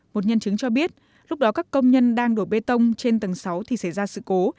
một nhân chứng cho biết lúc đó các công nhân đang đổ bê tông trên tầng sáu thì xảy ra sự cố